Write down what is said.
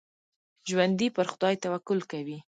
ژوندي پر خدای توکل کوي